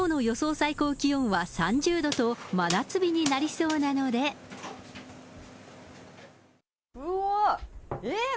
最高気温は３０度と、真夏日になりそううわー、えっ？